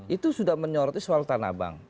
itu sudah menyoroti soal tanah abang